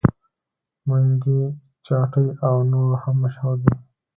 منګي چاټۍ او نور هم مشهور دي.